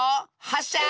はっしゃ！